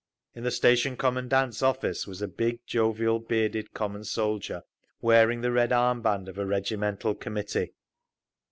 In the station commandant's office was a big, jovial, bearded common soldier, wearing the red arm band of a regimental committee.